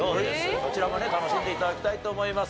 こちらもね楽しんで頂きたいと思います。